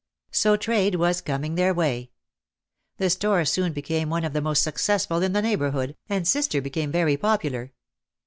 So trade was coming their way. The store soon became one of the most successful in the neighbourhood, and sister became very popular.